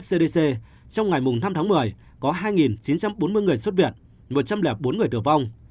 cdc trong ngày năm tháng một mươi có hai chín trăm bốn mươi người xuất viện một trăm linh bốn người tử vong